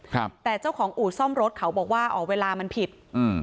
ครับแต่เจ้าของอู่ซ่อมรถเขาบอกว่าอ๋อเวลามันผิดอืม